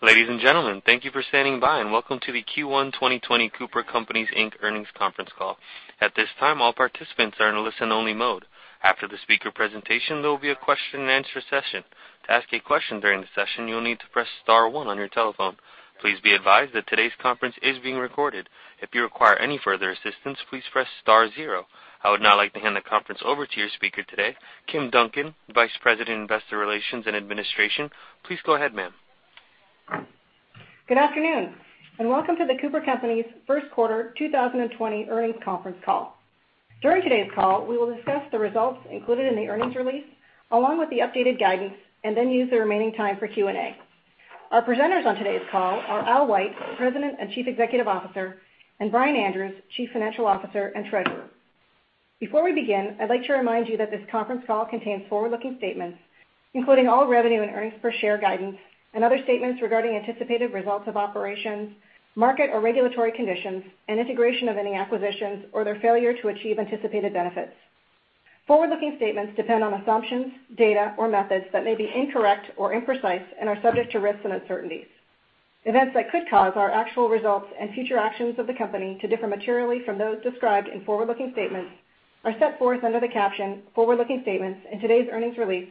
Ladies and gentlemen, thank you for standing by and welcome to the Q1 2020 The Cooper Companies Inc. earnings conference call. At this time, all participants are in a listen-only mode. After the speaker presentation, there will be a question-and-answer session. To ask a question during the session, you will need to press star one on your telephone. Please be advised that today's conference is being recorded. If you require any further assistance, please press star zero. I would now like to hand the conference over to your speaker today, Kim Duncan, Vice President, Investor Relations & Risk Management. Please go ahead, ma'am. Good afternoon, and welcome to The Cooper Companies first quarter 2020 earnings conference call. During today's call, we will discuss the results included in the earnings release, along with the updated guidance, and then use the remaining time for Q&A. Our presenters on today's call are Albert White, President and Chief Executive Officer, and Brian Andrews, Chief Financial Officer and Treasurer. Before we begin, I'd like to remind you that this conference call contains forward-looking statements, including all revenue and earnings per share guidance and other statements regarding anticipated results of operations, market or regulatory conditions, and integration of any acquisitions or their failure to achieve anticipated benefits. Forward-looking statements depend on assumptions, data, or methods that may be incorrect or imprecise and are subject to risks and uncertainties. Events that could cause our actual results and future actions of the company to differ materially from those described in forward-looking statements are set forth under the caption forward-looking statements in today's earnings release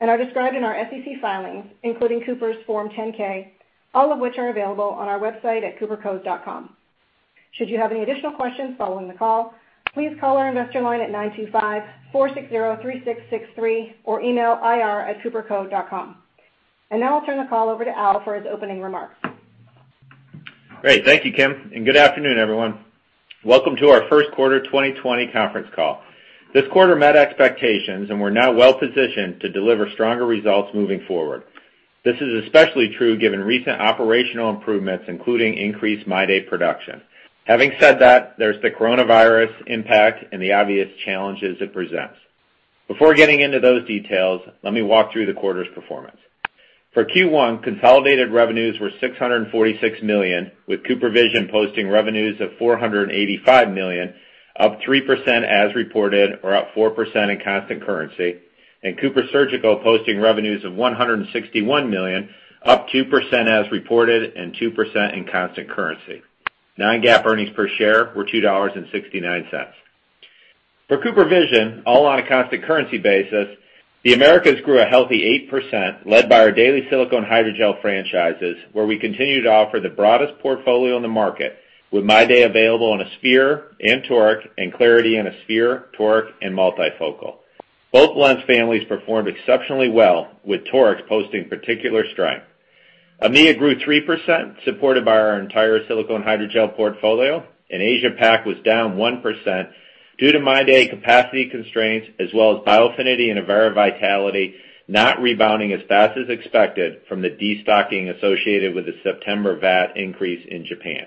and are described in our SEC filings, including Cooper's Form 10-K, all of which are available on our website at coopercos.com. Should you have any additional questions following the call, please call our investor line at 925-460-3663 or email ir@coopercos.com. Now I'll turn the call over to Albert for his opening remarks. Great. Thank you, Kim. Good afternoon, everyone. Welcome to our first quarter 2020 conference call. This quarter met expectations. We're now well positioned to deliver stronger results moving forward. This is especially true given recent operational improvements, including increased MyDay production. Having said that, there's the coronavirus impact and the obvious challenges it presents. Before getting into those details, let me walk through the quarter's performance. For Q1, consolidated revenues were $646 million, with CooperVision posting revenues of $485 million, up 3% as reported or up 4% in constant currency, and CooperSurgical posting revenues of $161 million, up 2% as reported and 2% in constant currency. Non-GAAP earnings per share were $2.69. For CooperVision, all on a constant currency basis, the Americas grew a healthy 8%, led by our daily silicone hydrogel franchises, where we continue to offer the broadest portfolio in the market with MyDay available in a sphere and toric and clariti in a sphere, toric, and multifocal. Both lens families performed exceptionally well, with torics posting particular strength. EMEA grew 3%, supported by our entire silicone hydrogel portfolio. Asia-Pac was down 1% due to MyDay capacity constraints as well as Biofinity and Avaira Vitality not rebounding as fast as expected from the destocking associated with the September VAT increase in Japan.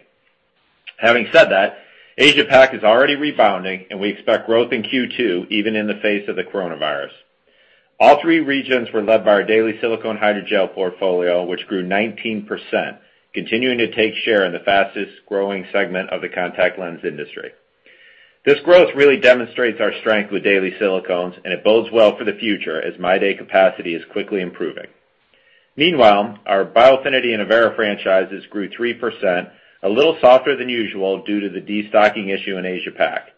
Having said that, Asia-Pac is already rebounding, and we expect growth in Q2, even in the face of the coronavirus. All three regions were led by our daily silicone hydrogel portfolio, which grew 19%, continuing to take share in the fastest-growing segment of the contact lens industry. This growth really demonstrates our strength with daily silicones, and it bodes well for the future as MyDay capacity is quickly improving. Meanwhile, our Biofinity and Avaira franchises grew 3%, a little softer than usual due to the destocking issue in Asia-Pac.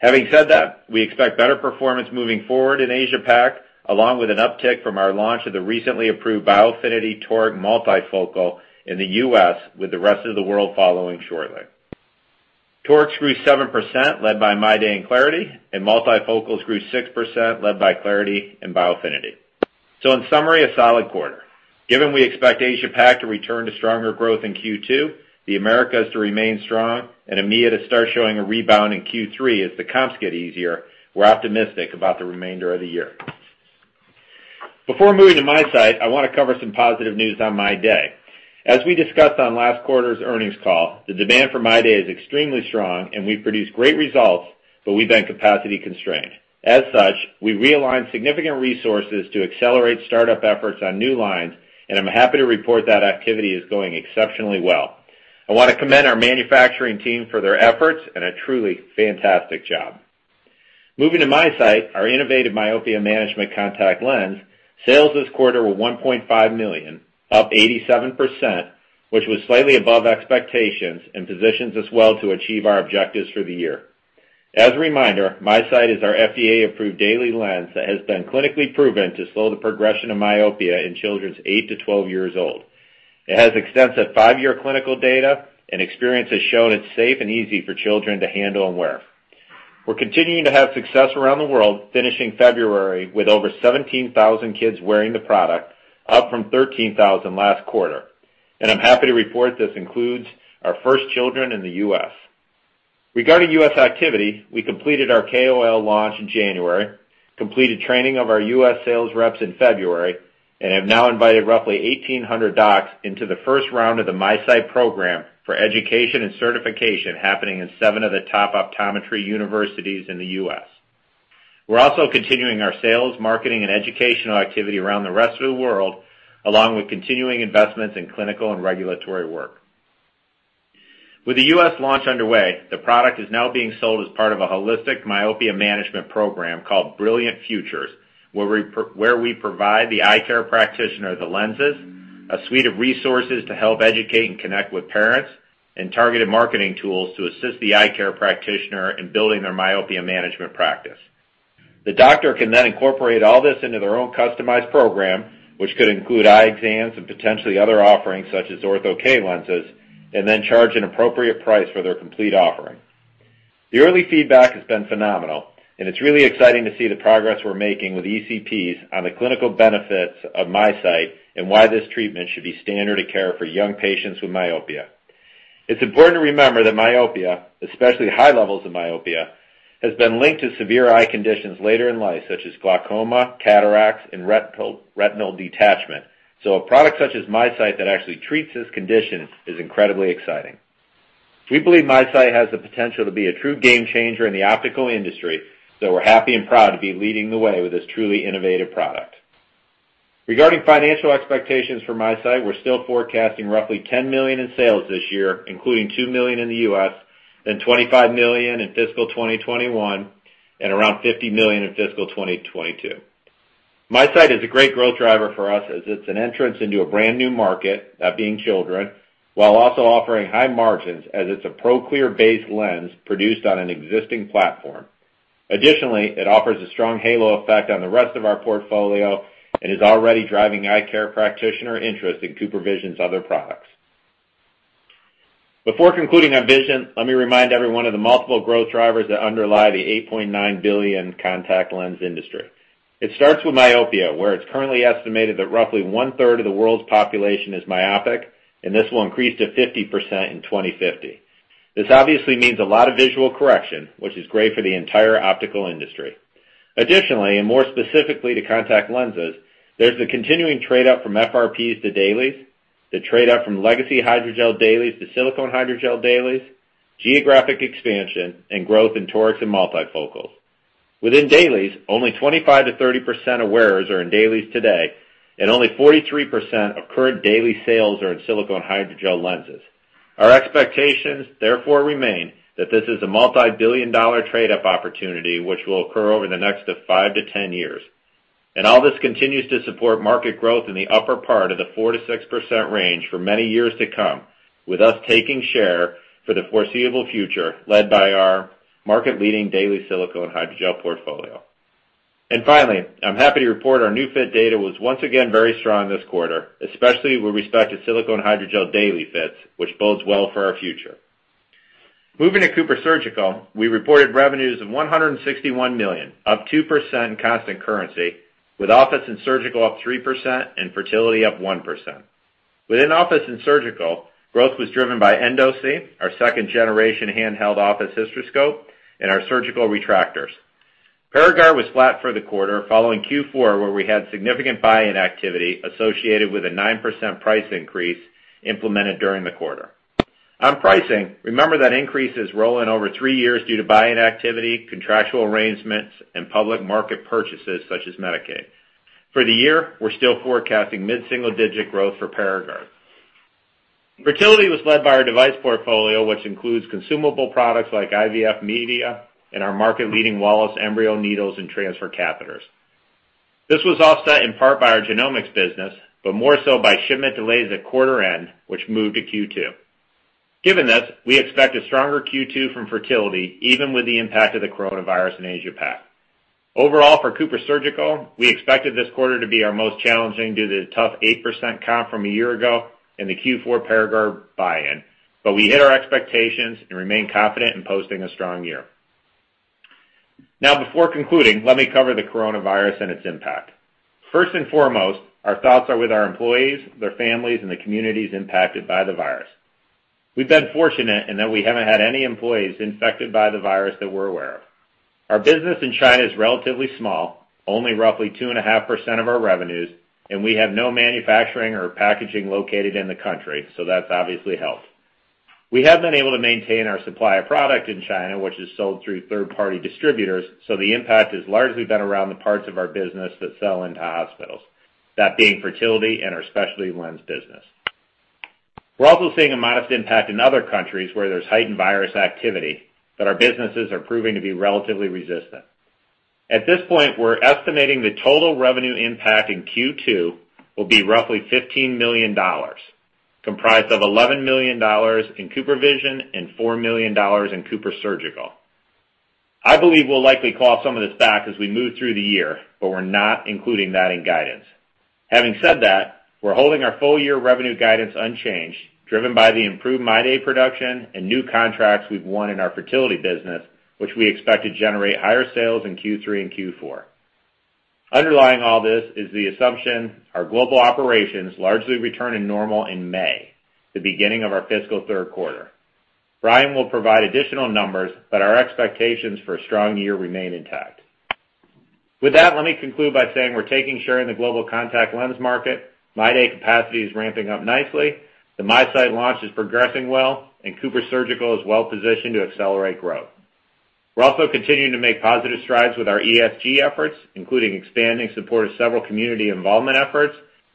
Having said that, we expect better performance moving forward in Asia-Pac, along with an uptick from our launch of the recently approved Biofinity toric multifocal in the U.S., with the rest of the world following shortly. Torics grew 7%, led by MyDay and clariti, and multifocals grew 6%, led by clariti and Biofinity. In summary, a solid quarter. Given we expect Asia-Pac to return to stronger growth in Q2, the Americas to remain strong, and EMEA to start showing a rebound in Q3 as the comps get easier, we're optimistic about the remainder of the year. Before moving to MiSight, I want to cover some positive news on MyDay. As we discussed on last quarter's earnings call, the demand for MyDay is extremely strong and we produced great results, but we've been capacity constrained. As such, we've realigned significant resources to accelerate startup efforts on new lines, and I'm happy to report that activity is going exceptionally well. I want to commend our manufacturing team for their efforts and a truly fantastic job. Moving to MiSight, our innovative myopia management contact lens, sales this quarter were $1.5 million, up 87%, which was slightly above expectations and positions us well to achieve our objectives for the year. As a reminder, MiSight is our FDA-approved daily lens that has been clinically proven to slow the progression of myopia in children eight to 12 years old. It has extensive five-year clinical data, and experience has shown it's safe and easy for children to handle and wear. We're continuing to have success around the world, finishing February with over 17,000 kids wearing the product, up from 13,000 last quarter. I'm happy to report this includes our first children in the U.S. Regarding U.S. activity, we completed our KOL launch in January, completed training of our U.S. sales reps in February, and have now invited roughly 1,800 docs into the first round of the MiSight program for education and certification happening in seven of the top optometry universities in the U.S. We're also continuing our sales, marketing, and educational activity around the rest of the world, along with continuing investments in clinical and regulatory work. With the U.S. launch underway, the product is now being sold as part of a holistic myopia management program called Brilliant Futures, where we provide the eye care practitioner the lenses, a suite of resources to help educate and connect with parents, and targeted marketing tools to assist the eye care practitioner in building their myopia management practice. The doctor can then incorporate all this into their own customized program, which could include eye exams and potentially other offerings such as ortho-k lenses, and then charge an appropriate price for their complete offering. The early feedback has been phenomenal. It's really exciting to see the progress we're making with ECPs on the clinical benefits of MiSight and why this treatment should be standard of care for young patients with myopia. It's important to remember that myopia, especially high levels of myopia, has been linked to severe eye conditions later in life, such as glaucoma, cataracts, and retinal detachment. A product such as MiSight that actually treats this condition is incredibly exciting. We believe MiSight has the potential to be a true game changer in the optical industry, so we're happy and proud to be leading the way with this truly innovative product. Regarding financial expectations for MiSight, we're still forecasting roughly $10 million in sales this year, including $2 million in the U.S., then $25 million in fiscal 2021, and around $50 million in fiscal 2022. MiSight is a great growth driver for us as it's an entrance into a brand-new market, that being children, while also offering high margins as it's a Proclear-based lens produced on an existing platform. Additionally, it offers a strong halo effect on the rest of our portfolio and is already driving eye care practitioner interest in CooperVision's other products. Before concluding on vision, let me remind everyone of the multiple growth drivers that underlie the $8.9 billion contact lens industry. It starts with myopia, where it's currently estimated that roughly one-third of the world's population is myopic, and this will increase to 50% in 2050. This obviously means a lot of visual correction, which is great for the entire optical industry. Additionally, more specifically to contact lenses, there's the continuing trade-up from FRPs to dailies, the trade-up from legacy hydrogel dailies to silicone hydrogel dailies, geographic expansion, and growth in torics and multifocals. Within dailies, only 25%-30% of wearers are in dailies today, only 43% of current daily sales are in silicone hydrogel lenses. Our expectations therefore remain that this is a multi-billion dollar trade-up opportunity, which will occur over the next 5-10 years. All this continues to support market growth in the upper part of the 4%-6% range for many years to come, with us taking share for the foreseeable future led by our market-leading daily silicone hydrogel portfolio. Finally, I'm happy to report our new fit data was once again very strong this quarter, especially with respect to silicone hydrogel daily fits, which bodes well for our future. Moving to CooperSurgical, we reported revenues of $161 million, up 2% constant currency, with office and surgical up 3% and fertility up 1%. Within office and surgical, growth was driven by EndoSee, our second-generation handheld office hysteroscope, and our surgical retractors. PARAGARD was flat for the quarter following Q4 where we had significant buy-in activity associated with a 9% price increase implemented during the quarter. On pricing, remember that increase is rolling over three years due to buy-in activity, contractual arrangements, and public market purchases such as Medicaid. For the year, we're still forecasting mid-single-digit growth for PARAGARD. Fertility was led by our device portfolio, which includes consumable products like IVF media and our market-leading Wallace embryo needles and transfer catheters. This was offset in part by our genomics business, more so by shipment delays at quarter end, which moved to Q2. Given this, we expect a stronger Q2 from fertility, even with the impact of the coronavirus in Asia-Pac. Overall, for CooperSurgical, we expected this quarter to be our most challenging due to the tough 8% comp from a year ago and the Q4 PARAGARD buy-in. We hit our expectations and remain confident in posting a strong year. Before concluding, let me cover the coronavirus and its impact. First and foremost, our thoughts are with our employees, their families, and the communities impacted by the virus. We've been fortunate in that we haven't had any employees infected by the virus that we're aware of. Our business in China is relatively small, only roughly 2.5% of our revenues, and we have no manufacturing or packaging located in the country. That's obviously helped. We have been able to maintain our supply of product in China, which is sold through third-party distributors, so the impact has largely been around the parts of our business that sell into hospitals, that being fertility and our specialty lens business. We're also seeing a modest impact in other countries where there's heightened virus activity, but our businesses are proving to be relatively resistant. At this point, we're estimating the total revenue impact in Q2 will be roughly $15 million, comprised of $11 million in CooperVision and $4 million in CooperSurgical. I believe we'll likely claw some of this back as we move through the year, but we're not including that in guidance. Having said that, we're holding our full-year revenue guidance unchanged, driven by the improved MyDay production and new contracts we've won in our fertility business, which we expect to generate higher sales in Q3 and Q4. Underlying all this is the assumption our global operations largely return to normal in May, the beginning of our fiscal third quarter. Brian will provide additional numbers. Our expectations for a strong year remain intact. With that, let me conclude by saying we're taking share in the global contact lens market. MyDay capacity is ramping up nicely. The MiSight launch is progressing well. CooperSurgical is well positioned to accelerate growth. We're also continuing to make positive strides with our ESG efforts, including expanding support of several community involvement efforts.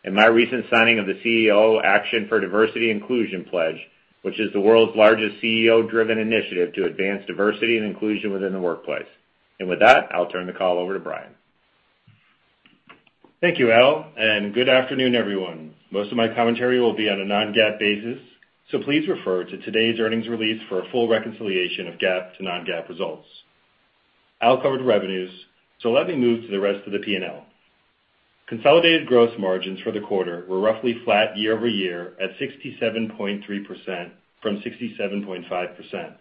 My recent signing of the CEO Action for Diversity & Inclusion pledge, which is the world's largest CEO-driven initiative to advance diversity and inclusion within the workplace. With that, I'll turn the call over to Brian. Thank you, Albert. Good afternoon, everyone. Most of my commentary will be on a non-GAAP basis, so please refer to today's earnings release for a full reconciliation of GAAP to non-GAAP results. Al covered revenues, so let me move to the rest of the P&L. Consolidated gross margins for the quarter were roughly flat year-over-year at 67.3% from 67.5%.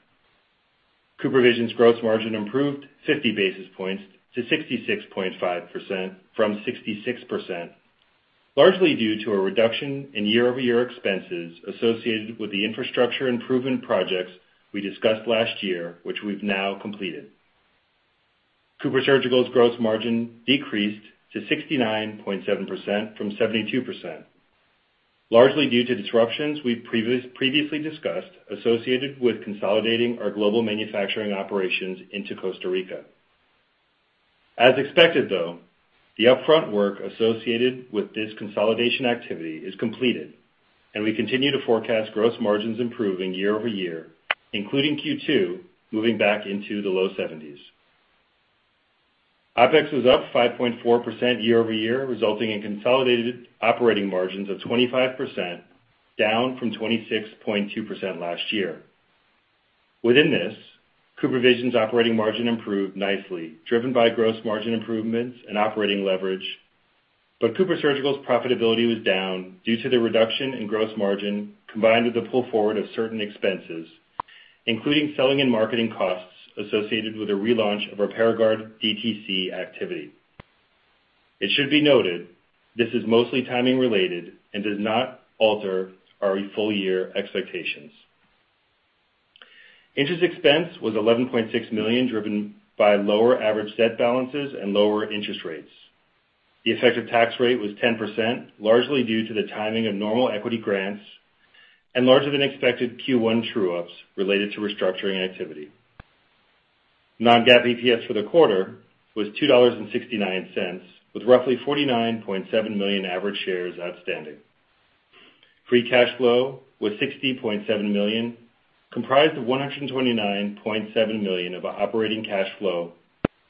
CooperVision's gross margin improved 50 basis points to 66.5% from 66%, largely due to a reduction in year-over-year expenses associated with the infrastructure improvement projects we discussed last year, which we've now completed. CooperSurgical's gross margin decreased to 69.7% from 72%, largely due to disruptions we previously discussed associated with consolidating our global manufacturing operations into Costa Rica. As expected, though, the upfront work associated with this consolidation activity is completed, and we continue to forecast gross margins improving year-over-year, including Q2, moving back into the low 70s. OPEX was up 5.4% year-over-year, resulting in consolidated operating margins of 25%, down from 26.2% last year. Within this, CooperVision's operating margin improved nicely, driven by gross margin improvements and operating leverage. CooperSurgical's profitability was down due to the reduction in gross margin, combined with the pull forward of certain expenses, including selling and marketing costs associated with the relaunch of our PARAGARD DTC activity. It should be noted, this is mostly timing related and does not alter our full-year expectations. Interest expense was $11.6 million, driven by lower average debt balances and lower interest rates. The effective tax rate was 10%, largely due to the timing of normal equity grants and larger than expected Q1 true-ups related to restructuring activity. Non-GAAP EPS for the quarter was $2.69, with roughly 49.7 million average shares outstanding. Free cash flow was $60.7 million, comprised of $129.7 million of operating cash flow,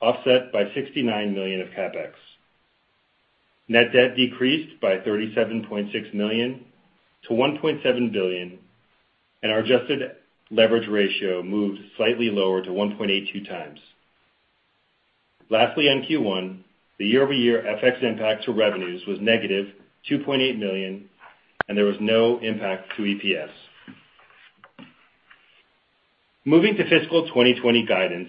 offset by $69 million of CapEx. Net debt decreased by $37.6 million to $1.7 billion and our adjusted leverage ratio moved slightly lower to 1.82 times. Lastly, on Q1, the year-over-year FX impact to revenues was negative $2.8 million and there was no impact to EPS. Moving to fiscal 2020 guidance.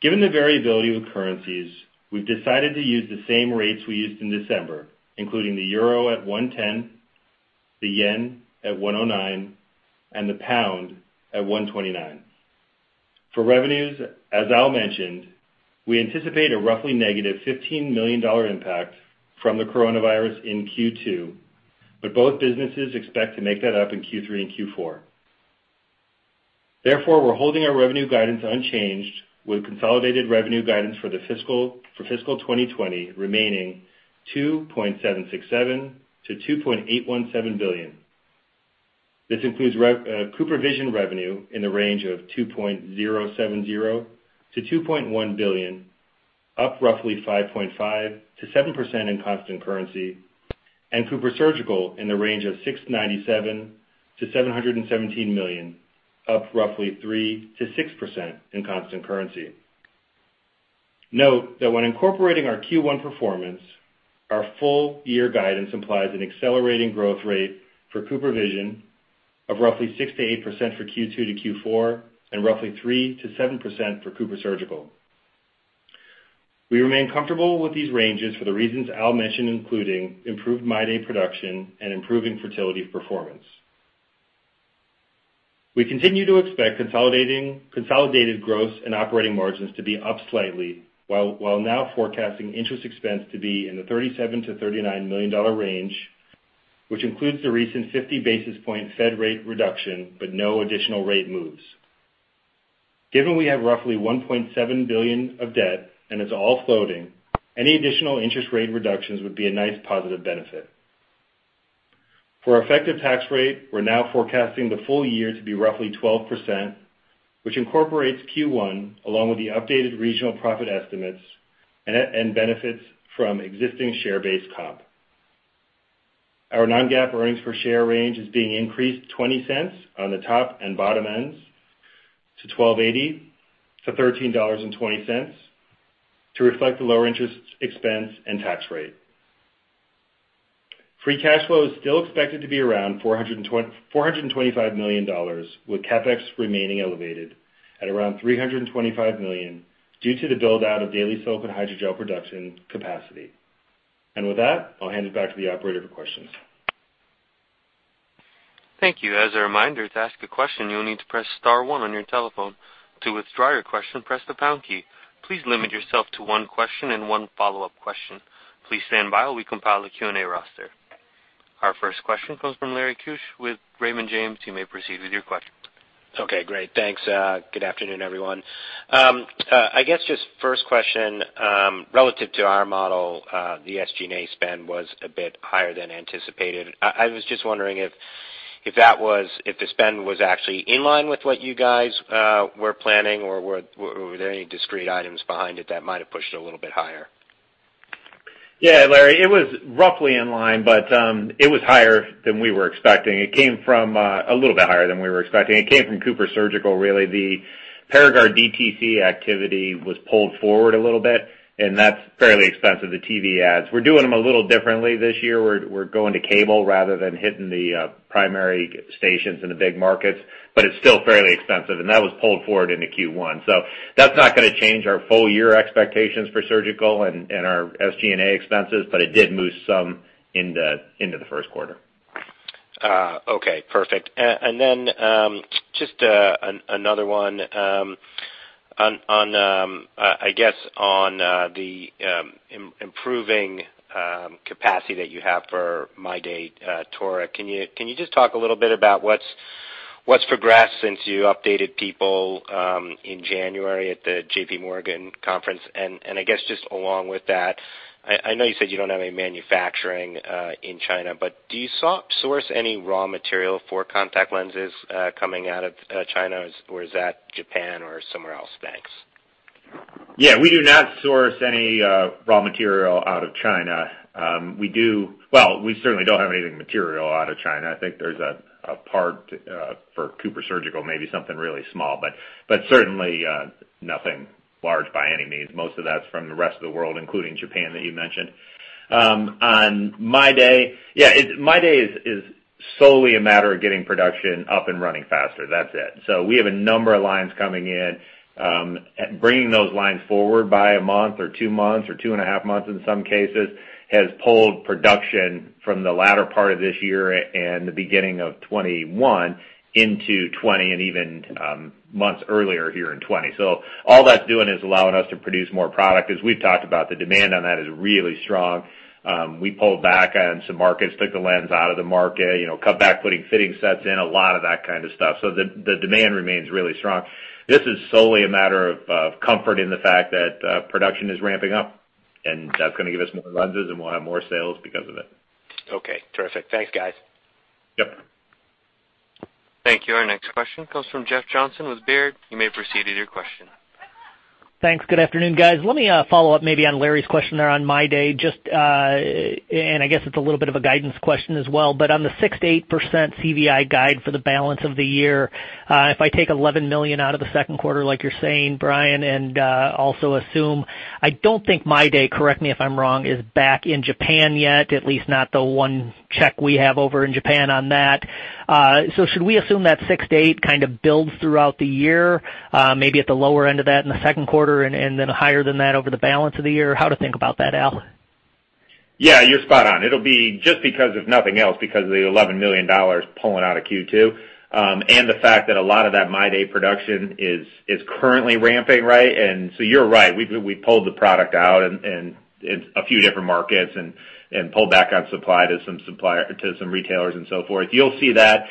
Given the variability with currencies, we've decided to use the same rates we used in December, including the 110 euro, the 109 yen, and the 129 pound. For revenues, as Albert mentioned, we anticipate a roughly negative $15 million impact from the coronavirus in Q2, but both businesses expect to make that up in Q3 and Q4. Therefore, we're holding our revenue guidance unchanged, with consolidated revenue guidance for fiscal 2020 remaining $2.767 billion-$2.817 billion. This includes CooperVision revenue in the range of $2.070 billion-$2.1 billion, up roughly 5.5%-7% in constant currency, and CooperSurgical in the range of $697 million-$717 million, up roughly 3%-6% in constant currency. Note that when incorporating our Q1 performance, our full year guidance implies an accelerating growth rate for CooperVision of roughly 6%-8% for Q2 to Q4 and roughly 3%-7% for CooperSurgical. We remain comfortable with these ranges for the reasons Al mentioned, including improved MyDay production and improving fertility performance. We continue to expect consolidated gross and operating margins to be up slightly while now forecasting interest expense to be in the $37 million-$39 million range, which includes the recent 50 basis point Fed rate reduction, but no additional rate moves. Given we have roughly $1.7 billion of debt and it's all floating, any additional interest rate reductions would be a nice positive benefit. For our effective tax rate, we're now forecasting the full year to be roughly 12%, which incorporates Q1 along with the updated regional profit estimates and benefits from existing share-based comp. Our non-GAAP earnings per share range is being increased $0.20 on the top and bottom ends to $12.80-$13.20 to reflect the lower interest expense and tax rate. Free cash flow is still expected to be around $425 million, with CapEx remaining elevated at around $325 million due to the build-out of daily silicone hydrogel production capacity. With that, I'll hand it back to the operator for questions. Thank you. As a reminder, to ask a question, you will need to press * one on your telephone. To withdraw your question, press the # key. Please limit yourself to one question and one follow-up question. Please stand by while we compile a Q&A roster. Our first question comes from Larry Keusch with Raymond James. You may proceed with your question. Okay, great. Thanks. Good afternoon, everyone. I guess just first question, relative to our model, the SG&A spend was a bit higher than anticipated. I was just wondering if the spend was actually in line with what you guys were planning, or were there any discrete items behind it that might have pushed it a little bit higher? Yeah, Larry, it was roughly in line, but it was higher than we were expecting. A little bit higher than we were expecting. It came from CooperSurgical, really. The PARAGARD DTC activity was pulled forward a little bit, and that's fairly expensive, the TV ads. We're doing them a little differently this year. We're going to cable rather than hitting the primary stations in the big markets, but it's still fairly expensive, and that was pulled forward into Q1. That's not going to change our full-year expectations for surgical and our SG&A expenses, but it did move some into the first quarter. Okay, perfect. Then just another one. I guess on the improving capacity that you have for MyDay toric, can you just talk a little bit about what's progressed since you updated people in January at the JPMorgan conference? I guess just along with that, I know you said you don't have any manufacturing in China, but do you source any raw material for contact lenses coming out of China, or is that Japan or somewhere else? Thanks. Yeah, we do not source any raw material out of China. Well, we certainly don't have anything material out of China. I think there's a part for CooperSurgical, maybe something really small, but certainly nothing large by any means. Most of that's from the rest of the world, including Japan, that you mentioned. On MyDay, yeah, MyDay is solely a matter of getting production up and running faster. That's it. We have a number of lines coming in. Bringing those lines forward by a month or two months or two and a half months in some cases has pulled production from the latter part of this year and the beginning of 2021 into 2020 and even months earlier here in 2020. All that's doing is allowing us to produce more product. As we've talked about, the demand on that is really strong. We pulled back on some markets, took the lens out of the market, cut back putting fitting sets in, a lot of that kind of stuff. The demand remains really strong. This is solely a matter of comfort in the fact that production is ramping up, and that's going to give us more lenses, and we'll have more sales because of it. Okay, terrific. Thanks, guys. Yep. Thank you. Our next question comes from Jeff Johnson with Robert W. Baird. You may proceed with your question. Thanks. Good afternoon, guys. Let me follow up maybe on Larry's question there on MyDay. I guess it's a little bit of a guidance question as well, but on the 6%-8% Cooper Vision guide for the balance of the year, if I take $11 million out of the second quarter like you're saying, Brian, and also assume, I don't think MyDay, correct me if I'm wrong, is back in Japan yet, at least not the one check we have over in Japan on that. Should we assume that 6%-8% kind of builds throughout the year, maybe at the lower end of that in the second quarter and then higher than that over the balance of the year? How to think about that, Albert? Yeah, you're spot on. It'll be just because of nothing else, because of the $11 million pulling out of Q2, and the fact that a lot of that MyDay production is currently ramping, right? You're right. We pulled the product out in a few different markets and pulled back on supply to some retailers and so forth. You'll see that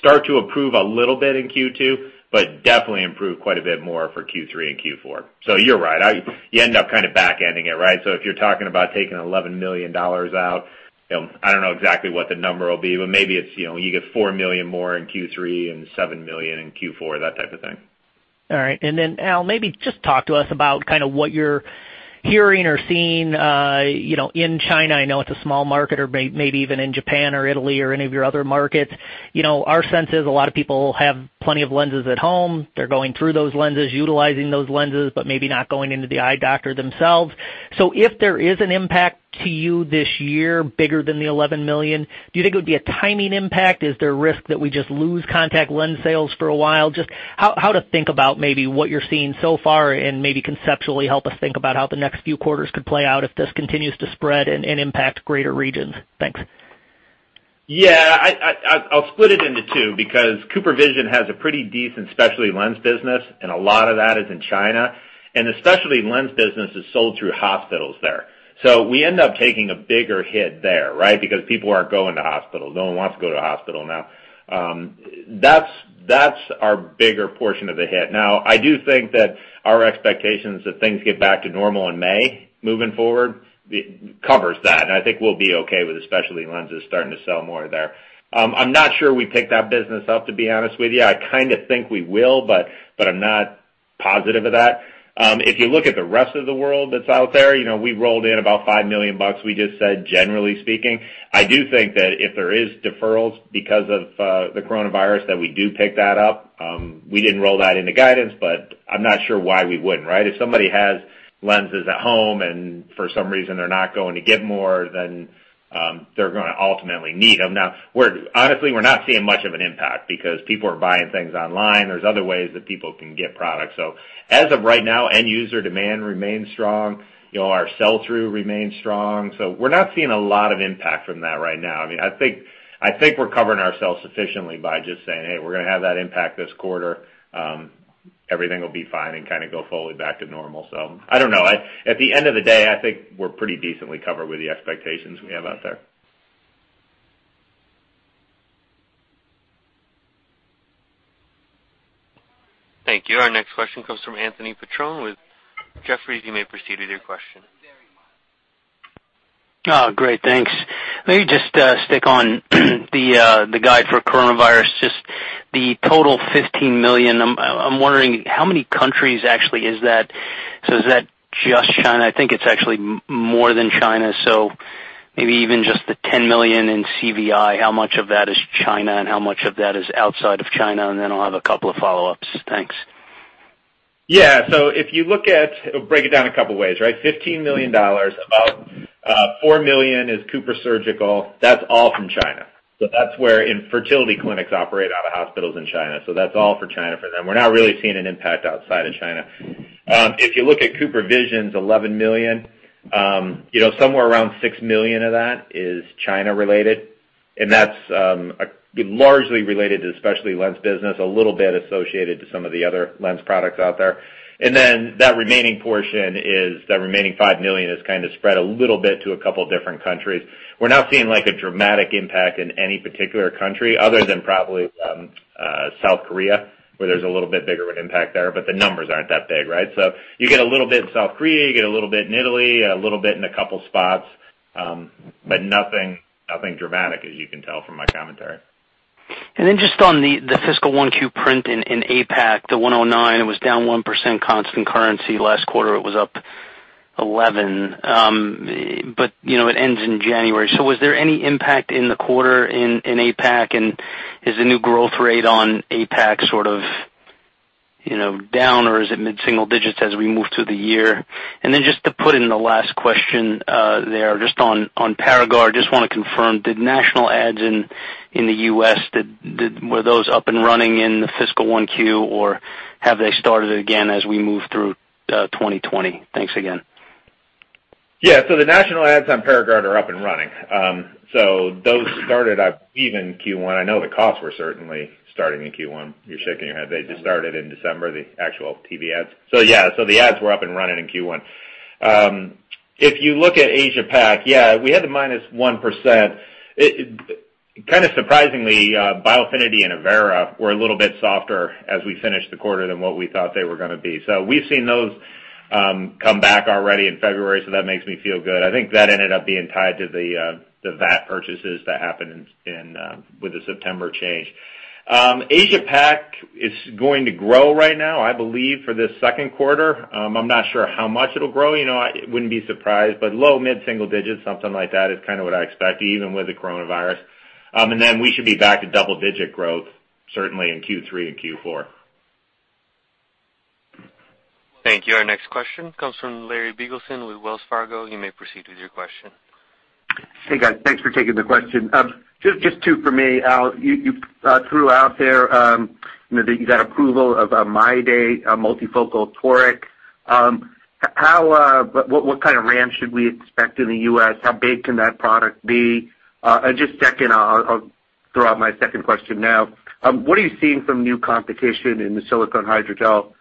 start to improve a little bit in Q2, but definitely improve quite a bit more for Q3 and Q4. You're right. You end up kind of back-ending it, right? If you're talking about taking $11 million out, I don't know exactly what the number will be, but maybe you get $4 million more in Q3 and $7 million in Q4, that type of thing. Al, maybe just talk to us about kind of what you're hearing or seeing in China. I know it's a small market, or maybe even in Japan or Italy or any of your other markets. Our sense is a lot of people have plenty of lenses at home. They're going through those lenses, utilizing those lenses, but maybe not going into the eye doctor themselves. If there is an impact to you this year, bigger than the $11 million, do you think it would be a timing impact? Is there a risk that we just lose contact lens sales for a while? Just how to think about maybe what you're seeing so far and maybe conceptually help us think about how the next few quarters could play out if this continues to spread and impact greater regions. Thanks. Yeah, I'll split it into two because CooperVision has a pretty decent specialty lens business, and a lot of that is in China. The specialty lens business is sold through hospitals there. We end up taking a bigger hit there, right? Because people aren't going to hospitals. No one wants to go to a hospital now. That's our bigger portion of the hit. Now, I do think that our expectations that things get back to normal in May moving forward covers that, and I think we'll be okay with the specialty lenses starting to sell more there. I'm not sure we pick that business up, to be honest with you. I kind of think we will, but I'm not positive of that. If you look at the rest of the world that's out there, we rolled in about $5 million, we just said, generally speaking. I do think that if there is deferrals because of the coronavirus that we do pick that up. We didn't roll that into guidance, but I'm not sure why we wouldn't, right? If somebody has lenses at home and for some reason they're not going to get more, then they're going to ultimately need them. Now, honestly, we're not seeing much of an impact because people are buying things online. There's other ways that people can get product. As of right now, end user demand remains strong. Our sell-through remains strong. We're not seeing a lot of impact from that right now. I think we're covering ourselves sufficiently by just saying, "Hey, we're going to have that impact this quarter." Everything will be fine and kind of go fully back to normal. I don't know. At the end of the day, I think we're pretty decently covered with the expectations we have out there. Thank you. Our next question comes from Anthony Petrone with Jefferies. You may proceed with your question. Oh, great. Thanks. Maybe just stick on the guide for coronavirus, just the total $15 million. I'm wondering how many countries actually is that. Is that just China? I think it's actually more than China, maybe even just the $10 million in CVI. How much of that is China and how much of that is outside of China? I'll have a couple of follow-ups. Thanks. Yeah. Break it down a couple ways. $15 million, about $4 million is CooperSurgical. That's all from China. That's where infertility clinics operate out of hospitals in China. That's all for China for them. We're not really seeing an impact outside of China. If you look at CooperVision's $11 million, somewhere around $6 million of that is China-related, and that's largely related to the specialty lens business, a little bit associated to some of the other lens products out there. The remaining $5 million is kind of spread a little bit to a couple different countries. We're not seeing a dramatic impact in any particular country other than probably South Korea, where there's a little bit bigger of an impact there, but the numbers aren't that big. You get a little bit in South Korea, you get a little bit in Italy, a little bit in a couple spots, but nothing dramatic, as you can tell from my commentary. Just on the fiscal 1Q print in APAC, the 109, it was down 1% constant currency. Last quarter, it was up 11%. It ends in January. Was there any impact in the quarter in APAC and is the new growth rate on APAC sort of down, or is it mid-single digits as we move through the year? Just to put in the last question there, just on PARAGARD, just want to confirm, did national ads in the U.S., were those up and running in the fiscal 1Q, or have they started again as we move through 2020? Thanks again. Yeah. The national ads on PARAGARD are up and running. Those started up even Q1. I know the costs were certainly starting in Q1. You're shaking your head. They just started in December, the actual TV ads. Yeah, so the ads were up and running in Q1. If you look at Asia Pac, yeah, we had the minus 1%. Kind of surprisingly, Biofinity and Avaira were a little bit softer as we finished the quarter than what we thought they were going to be. We've seen those come back already in February, so that makes me feel good. I think that ended up being tied to the VAT purchases that happened with the September change. Asia Pac is going to grow right now, I believe, for this second quarter. I'm not sure how much it'll grow. I wouldn't be surprised, but low mid-single digits, something like that, is kind of what I expect, even with the coronavirus. Then we should be back to double-digit growth certainly in Q3 and Q4. Thank you. Our next question comes from Larry Biegelsen with Wells Fargo. You may proceed with your question. Hey, guys. Thanks for taking the question. Just two for me. You threw out there that you got approval of a MyDay multifocal toric. What kind of ramp should we expect in the U.S.? How big can that product be? Just second, I'll throw out my second question now. What are you seeing from new competition in the silicone hydrogel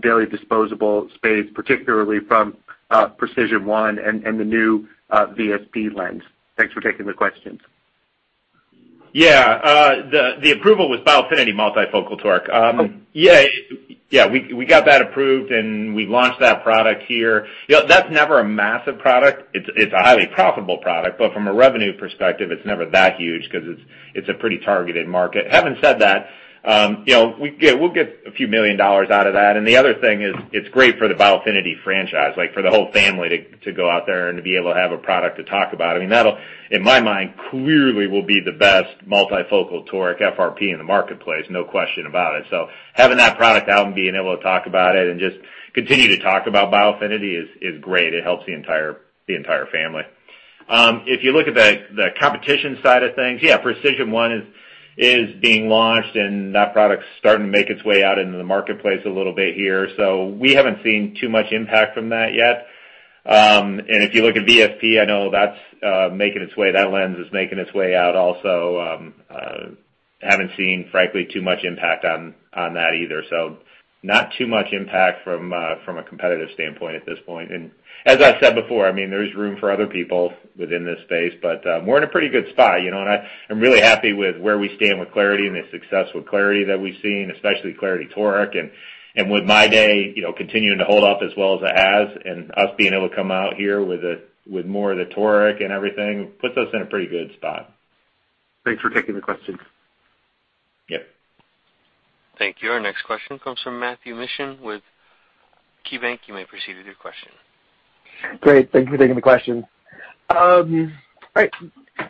daily disposable space, particularly from Precision1 and the new VSP lens? Thanks for taking the questions. Yeah. The approval was Biofinity multifocal toric. Yeah, we got that approved, and we launched that product here. That's never a massive product. It's a highly profitable product, but from a revenue perspective, it's never that huge because it's a pretty targeted market. Having said that, we'll get a few million dollars out of that, and the other thing is it's great for the Biofinity franchise, like for the whole family to go out there and to be able to have a product to talk about. I mean, that, in my mind, clearly will be the best multifocal toric FRP in the marketplace, no question about it. Having that product out and being able to talk about it and just continue to talk about Biofinity is great. It helps the entire family. If you look at the competition side of things, yeah, Precision1 is being launched, and that product's starting to make its way out into the marketplace a little bit here. We haven't seen too much impact from that yet. If you look at VSP, I know that lens is making its way out also. Haven't seen, frankly, too much impact on that either. Not too much impact from a competitive standpoint at this point. As I said before, I mean, there's room for other people within this space, but we're in a pretty good spot. I'm really happy with where we stand with clariti and the success with clariti that we've seen, especially clariti toric. With MyDay continuing to hold up as well as it has and us being able to come out here with more of the toric and everything, puts us in a pretty good spot. Thanks for taking the question. Yep. Thank you. Our next question comes from Matthew Mishan with KeyBank Capital Markets. You may proceed with your question. Great. Thank you for taking the question. All right,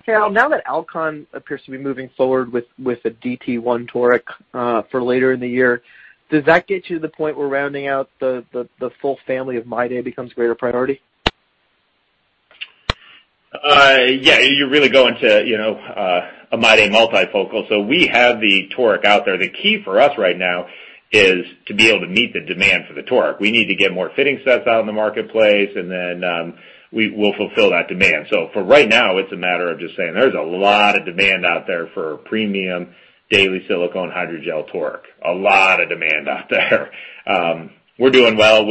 Carol, now that Alcon appears to be moving forward with a DT1 Toric for later in the year, does that get you to the point where rounding out the full family of MyDay becomes a greater priority? Yeah, you're really going to a MyDay multifocal. We have the Toric out there. The key for us right now is to be able to meet the demand for the Toric. We need to get more fitting sets out in the marketplace, and then we'll fulfill that demand. For right now, it's a matter of just saying there's a lot of demand out there for premium daily silicone hydrogel Toric. A lot of demand out there. We're doing well.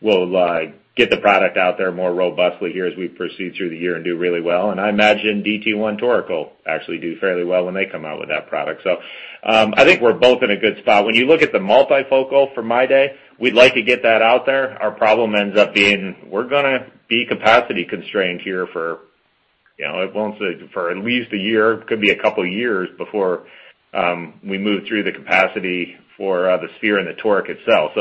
We'll get the product out there more robustly here as we proceed through the year and do really well. I imagine DT1 Toric will actually do fairly well when they come out with that product. I think we're both in a good spot. When you look at the multifocal for MyDay, we'd like to get that out there. Our problem ends up being, we're going to be capacity constrained here for at least a year, could be a couple of years before we move through the capacity for the sphere and the toric itself.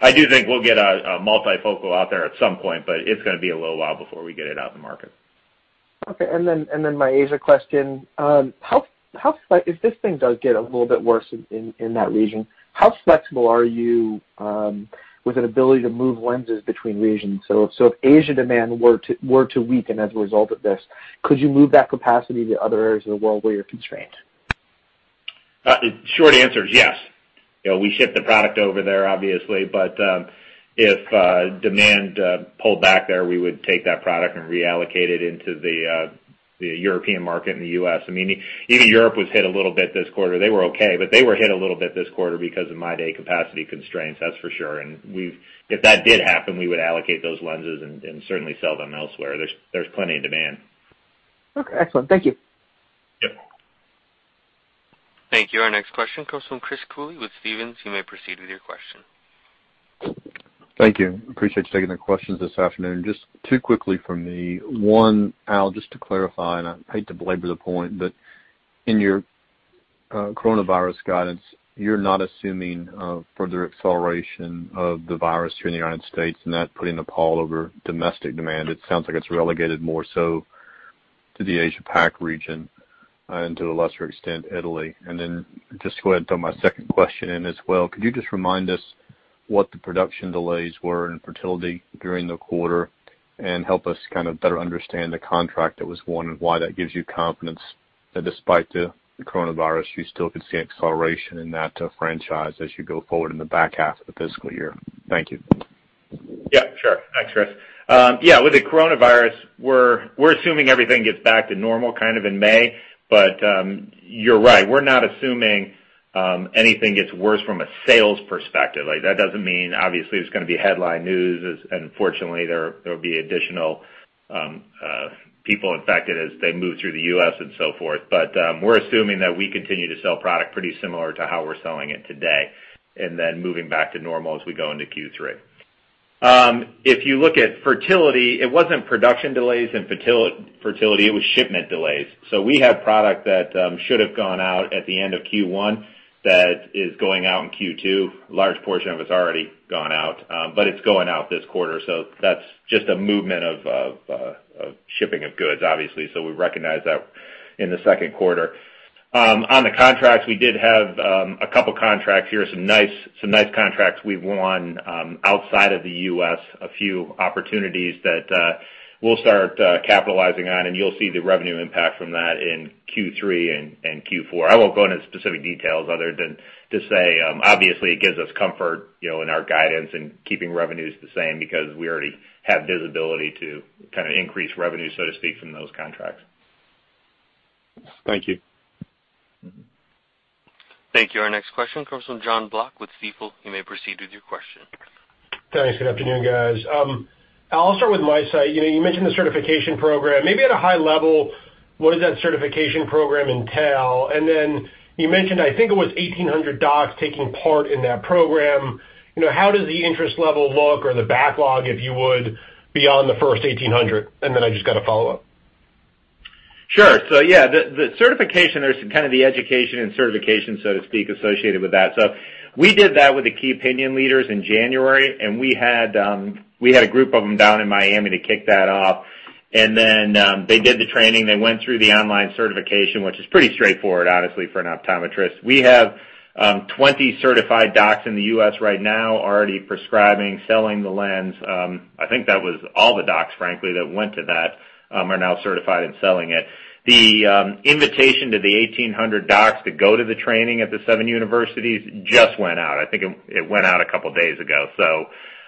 I do think we'll get a multifocal out there at some point, but it's going to be a little while before we get it out in the market. Okay, my Asia question. If this thing does get a little bit worse in that region, how flexible are you with an ability to move lenses between regions? If Asia demand were to weaken as a result of this, could you move that capacity to other areas of the world where you're constrained? The short answer is yes. We ship the product over there, obviously, but if demand pulled back there, we would take that product and reallocate it into the European market and the U.S. Even Europe was hit a little bit this quarter. They were okay, but they were hit a little bit this quarter because of MyDay capacity constraints, that's for sure. If that did happen, we would allocate those lenses and certainly sell them elsewhere. There's plenty of demand. Okay, excellent. Thank you. Yep. Thank you. Our next question comes from Chris Cooley with Stephens. You may proceed with your question. Thank you. Appreciate you taking the questions this afternoon. Just two quickly from me. One, Al, just to clarify, and I hate to belabor the point, but in your coronavirus guidance, you're not assuming further acceleration of the virus here in the United States and that putting a pall over domestic demand. It sounds like it's relegated more so to the Asia Pac region and to a lesser extent, Italy. Just go ahead and throw my second question in as well. Could you just remind me what the production delays were in fertility during the quarter and help us kind of better understand the contract that was won and why that gives you confidence that despite the coronavirus, you still could see acceleration in that franchise as you go forward in the back half of the fiscal year? Thank you. Yeah, sure. Thanks, Chris. Yeah, with the coronavirus, we're assuming everything gets back to normal kind of in May, but you're right, we're not assuming anything gets worse from a sales perspective. That doesn't mean, obviously, there's going to be headline news, unfortunately, there'll be additional people infected as they move through the U.S. and so forth. We're assuming that we continue to sell product pretty similar to how we're selling it today, and then moving back to normal as we go into Q3. If you look at fertility, it wasn't production delays in fertility, it was shipment delays. We have product that should have gone out at the end of Q1 that is going out in Q2. A large portion of it's already gone out. It's going out this quarter, so that's just a movement of shipping of goods, obviously. We recognize that in the second quarter. On the contracts, we did have a couple contracts here, some nice contracts we've won outside of the U.S., a few opportunities that we'll start capitalizing on, and you'll see the revenue impact from that in Q3 and Q4. I won't go into specific details other than to say, obviously, it gives us comfort in our guidance and keeping revenues the same because we already have visibility to kind of increase revenue, so to speak, from those contracts. Thank you. Thank you. Our next question comes from Jonathan Block with Stifel. You may proceed with your question. Thanks. Good afternoon, guys. Al, I'll start with MiSight. You mentioned the certification program. Maybe at a high level, what does that certification program entail? You mentioned, I think it was 1,800 docs taking part in that program. How does the interest level look or the backlog, if you would, beyond the first 1,800? I just got a follow-up. Sure. Yeah, the certification, there's kind of the education and certification, so to speak, associated with that. We did that with the key opinion leaders in January, and we had a group of them down in Miami to kick that off. They did the training. They went through the online certification, which is pretty straightforward, honestly, for an optometrist. We have 20 certified docs in the U.S. right now already prescribing, selling the lens. I think that was all the docs, frankly, that went to that are now certified and selling it. The invitation to the 1,800 docs to go to the training at the seven universities just went out. I think it went out a couple of days ago.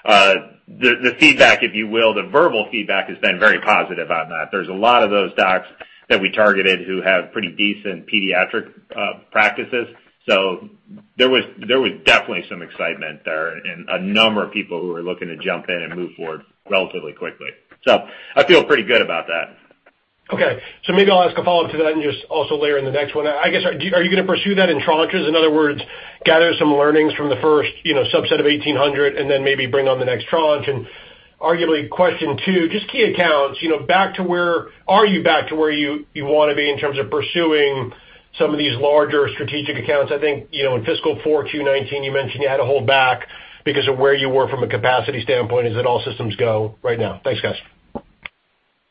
The feedback, if you will, the verbal feedback has been very positive on that. There's a lot of those docs that we targeted who have pretty decent pediatric practices. There was definitely some excitement there and a number of people who are looking to jump in and move forward relatively quickly. I feel pretty good about that. Okay, maybe I'll ask a follow-up to that and just also layer in the next one. I guess, are you going to pursue that in tranches? In other words, gather some learnings from the first subset of 1,800 and then maybe bring on the next tranche? Arguably question two, just key accounts, are you back to where you want to be in terms of pursuing some of these larger strategic accounts? I think in fiscal 4Q 2019, you mentioned you had to hold back because of where you were from a capacity standpoint. Is it all systems go right now? Thanks, guys.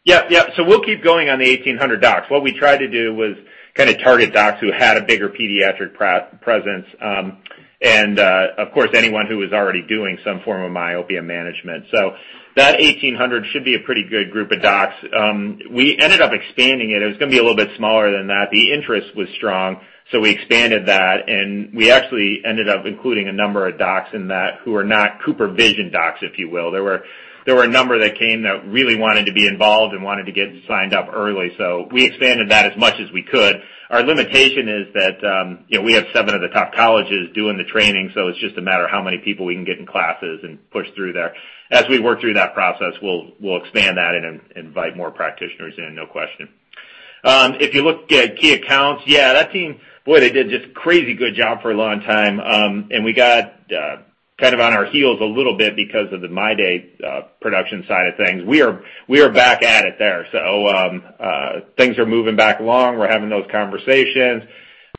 Yeah. We'll keep going on the 1,800 docs. What we tried to do was kind of target docs who had a bigger pediatric presence, and of course, anyone who was already doing some form of myopia management. That 1,800 should be a pretty good group of docs. We ended up expanding it. It was going to be a little bit smaller than that. The interest was strong, so we expanded that, and we actually ended up including a number of docs in that who are not CooperVision docs, if you will. There were a number that came that really wanted to be involved and wanted to get signed up early. We expanded that as much as we could. Our limitation is that we have seven of the top colleges doing the training, so it's just a matter of how many people we can get in classes and push through there. As we work through that process, we'll expand that and invite more practitioners in, no question. If you look at key accounts, yeah, that team, boy, they did just crazy good job for a long time. We got kind of on our heels a little bit because of the MyDay production side of things. We are back at it there. Things are moving back along. We're having those conversations.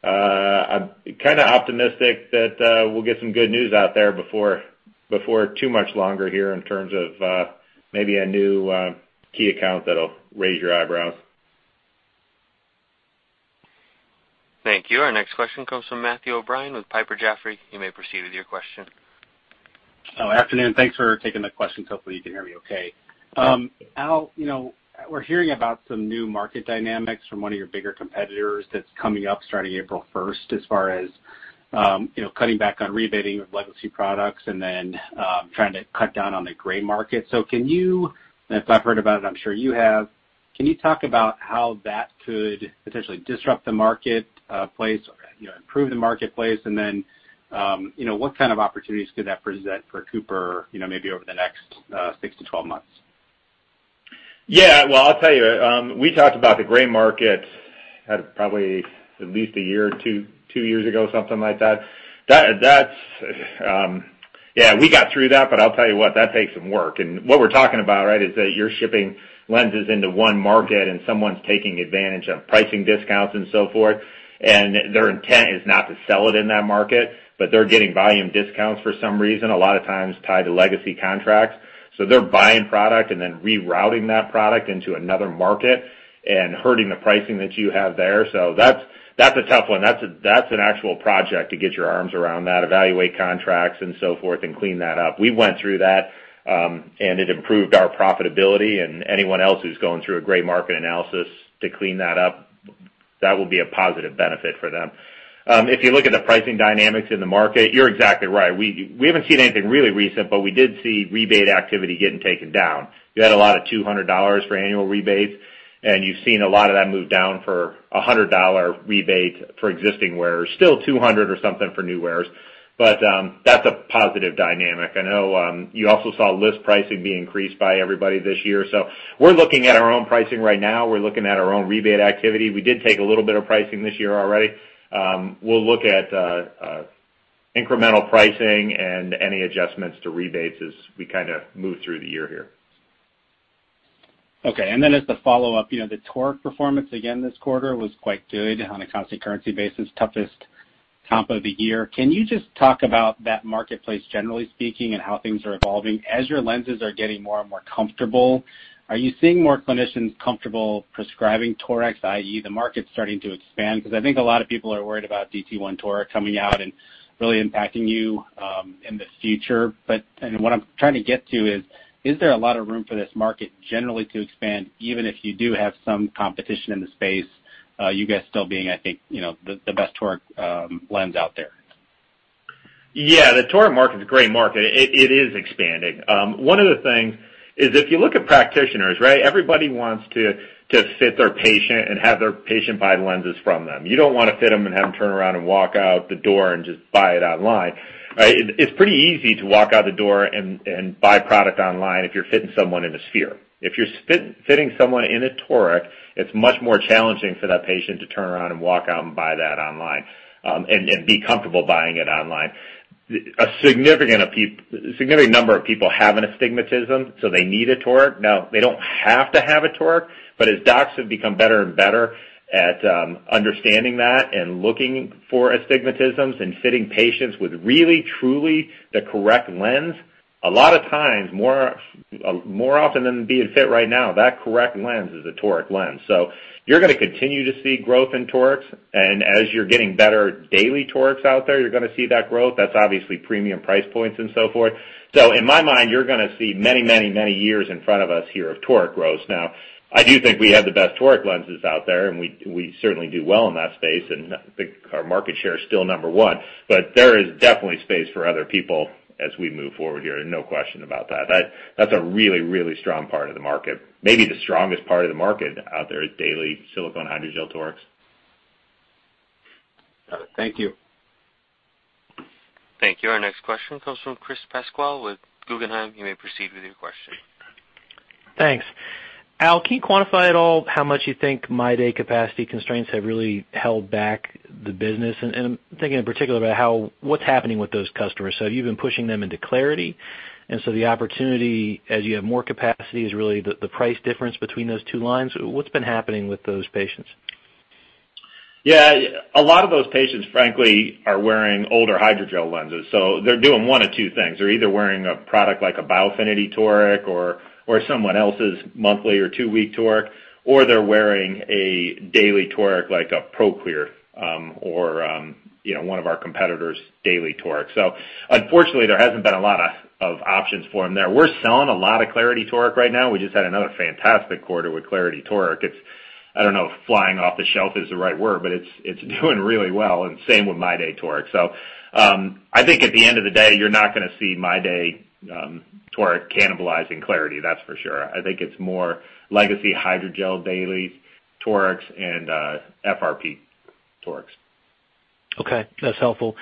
I'm kind of optimistic that we'll get some good news out there before too much longer here in terms of maybe a new key account that'll raise your eyebrows. Thank you. Our next question comes from Matthew O'Brien with Piper Sandler. You may proceed with your question. Afternoon. Thanks for taking the questions. Hopefully you can hear me okay. Al, we're hearing about some new market dynamics from one of your bigger competitors that's coming up starting 1st April, as far as cutting back on rebating of legacy products and then trying to cut down on the gray market. Can you, and if I've heard about it, I'm sure you have, can you talk about how that could potentially disrupt the marketplace or improve the marketplace? What kind of opportunities could that present for Cooper maybe over the next six to 12 months? Yeah. Well, I'll tell you. We talked about the gray market at probably at least a year or two years ago, something like that. We got through that. I'll tell you what, that takes some work. What we're talking about, right, is that you're shipping lenses into one market and someone's taking advantage of pricing discounts and so forth, and their intent is not to sell it in that market, but they're getting volume discounts for some reason, a lot of times tied to legacy contracts. They're buying product and then rerouting that product into another market and hurting the pricing that you have there. That's a tough one. That's an actual project to get your arms around that, evaluate contracts and so forth, and clean that up. We went through that. It improved our profitability and anyone else who's going through a gray market analysis to clean that up, that will be a positive benefit for them. If you look at the pricing dynamics in the market, you're exactly right. We haven't seen anything really recent. We did see rebate activity getting taken down. You had a lot of $200 for annual rebates. You've seen a lot of that move down for $100 rebate for existing wearers. Still $200 or something for new wearers. That's a positive dynamic. I know you also saw list pricing be increased by everybody this year. We're looking at our own pricing right now. We're looking at our own rebate activity. We did take a little bit of pricing this year already. We'll look at incremental pricing and any adjustments to rebates as we kind of move through the year here. Okay, as the follow-up, the toric performance again this quarter was quite good on a constant currency basis, the toughest half of the year. Can you just talk about that marketplace, generally speaking, and how things are evolving? As your lenses are getting more and more comfortable, are you seeing more clinicians comfortable prescribing torics, i.e., the market's starting to expand? I think a lot of people are worried about DT1 Toric coming out and really impacting you in the future. What I'm trying to get to is there a lot of room for this market generally to expand, even if you do have some competition in the space, you guys still being, I think, the best toric lens out there? Yeah. The toric market is a great market. It is expanding. One of the things is if you look at practitioners, right, everybody wants to fit their patient and have their patient buy the lenses from them. You don't want to fit them and have them turn around and walk out the door and just buy it online, right? It's pretty easy to walk out the door and buy product online if you're fitting someone in a sphere. If you're fitting someone in a toric, it's much more challenging for that patient to turn around and walk out and buy that online, and be comfortable buying it online. A significant number of people have an astigmatism, so they need a toric. They don't have to have a toric, but as docs have become better and better at understanding that and looking for astigmatisms and fitting patients with really truly the correct lens, a lot of times, more often than be a fit right now, that correct lens is a toric lens. You're going to continue to see growth in torics, and as you're getting better daily torics out there, you're going to see that growth. That's obviously premium price points and so forth. In my mind, you're going to see many years in front of us here of toric growth. I do think we have the best toric lenses out there, and we certainly do well in that space, and I think our market share is still number one, but there is definitely space for other people as we move forward here. No question about that. That's a really strong part of the market. Maybe the strongest part of the market out there is daily silicone hydrogel torics. Got it. Thank you. Thank you. Our next question comes from Chris Pasquale with Guggenheim Securities. You may proceed with your question. Thanks. Al, can you quantify at all how much you think MyDay capacity constraints have really held back the business? I'm thinking in particular about what's happening with those customers. Have you been pushing them into clariti? The opportunity as you have more capacity is really the price difference between those two lines. What's been happening with those patients? Yeah. A lot of those patients, frankly, are wearing older hydrogel lenses. They're doing one of two things. They're either wearing a product like a Biofinity toric or someone else's monthly or two-week toric, or they're wearing a daily toric, like a Proclear, or one of our competitors' daily toric. Unfortunately, there hasn't been a lot of options for them there. We're selling a lot of clariti toric right now. We just had another fantastic quarter with clariti toric. I don't know if flying off the shelf is the right word, but it's doing really well, and same with MyDay toric. I think at the end of the day, you're not going to see MyDay toric cannibalizing clariti, that's for sure. I think it's more legacy hydrogel dailies, torics, and FRP torics. Okay, that's helpful.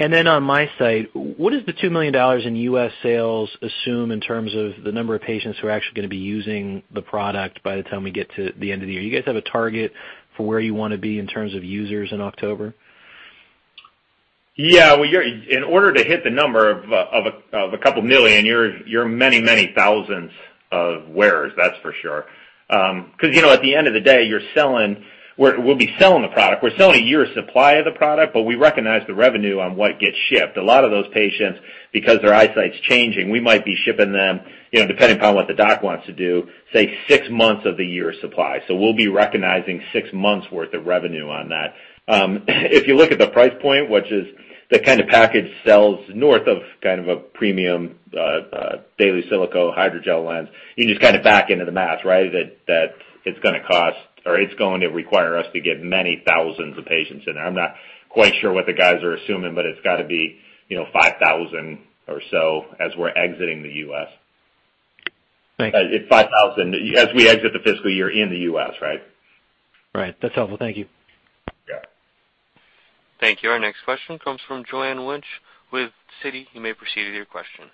On MiSight, what does the $2 million in U.S. sales assume in terms of the number of patients who are actually going to be using the product by the time we get to the end of the year? Do you guys have a target for where you want to be in terms of users in October? In order to hit the number of 2 million, you're many thousands of wearers, that's for sure. At the end of the day, we'll be selling the product. We're selling a year's supply of the product, but we recognize the revenue on what gets shipped. A lot of those patients, because their eyesight's changing, we might be shipping them, depending upon what the doc wants to do, say, six months of the year supply. We'll be recognizing 6 months worth of revenue on that. If you look at the price point, which is the kind of package sells north of kind of a premium daily silicone hydrogel lens, you just kind of back into the math, right? That it's going to cost or it's going to require us to get many thousands of patients in there. I'm not quite sure what the guys are assuming, but it's got to be 5,000 or so as we're exiting the U.S. Thanks. 5,000 as we exit the fiscal year in the U.S., right? Right. That's helpful. Thank you. Yeah. Thank you. Our next question comes from Joanne Wuensch with Citi. You may proceed with your question.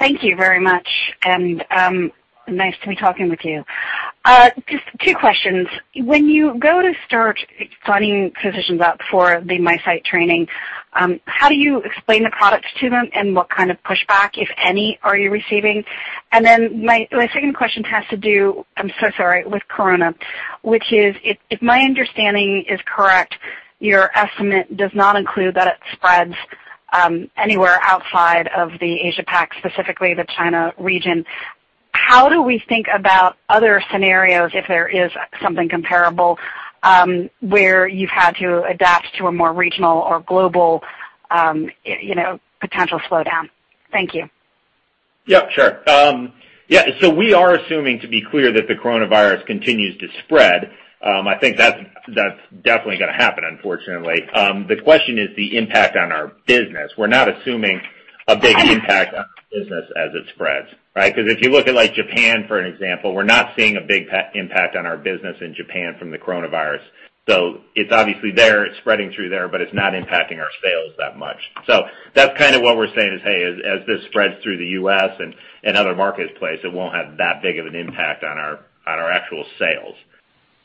Thank you very much. Nice to be talking with you. Just two questions. When you go to start signing physicians up for the MiSight training, how do you explain the products to them, and what kind of pushback, if any, are you receiving? My second question has to do, I'm so sorry, with coronavirus, which is, if my understanding is correct, your estimate does not include that it spreads anywhere outside of the Asia-Pac, specifically the China region. How do we think about other scenarios if there is something comparable where you've had to adapt to a more regional or global potential slowdown? Thank you. Yeah, sure. We are assuming, to be clear, that the coronavirus continues to spread. I think that's definitely going to happen, unfortunately. The question is the impact on our business. We're not assuming a big impact on our business as it spreads, right? If you look at Japan, for an example, we're not seeing a big impact on our business in Japan from the coronavirus. It's obviously there, it's spreading through there, but it's not impacting our sales that much. That's kind of what we're saying is, hey, as this spreads through the U.S. and other markets place, it won't have that big of an impact on our actual sales.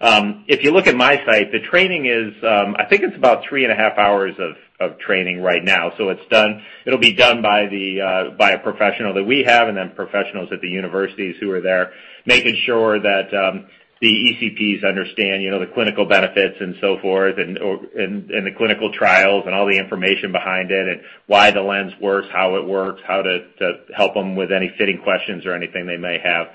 If you look at MiSight, the training is, I think it's about three and a half hours of training right now. It'll be done by a professional that we have and then professionals at the universities who are there making sure that the ECPs understand the clinical benefits and so forth and the clinical trials and all the information behind it and why the lens works, how it works, how to help them with any fitting questions or anything they may have.